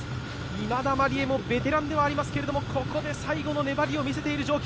今田麻里絵もベテランではありますけれども、ここで最後の粘りを見せている状況。